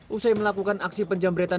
usai melakukan aksi penjambretan